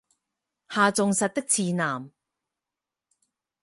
下重实的次男。